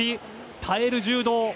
耐える柔道。